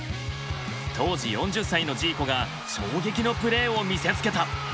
当時４０歳のジーコが衝撃のプレーを見せつけた。